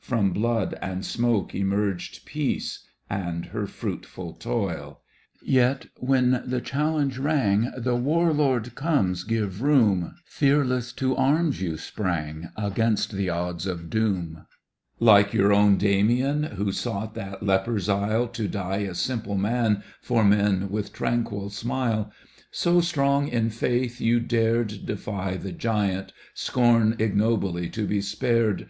From blood and smok« emerged Peace and her fruitful toil. Digitized by Google i6 TO THE BELGIANS Yet when the challenge rang, " The War Lord comes ; give room !' Fearless to arms you sprang Against the odds of doom. Like your own Damian Who sought that lepers' isle To die a simple man For men with tranquil smile. So strong in faith you dared Defy the giant, scorn Ignobly to be spared.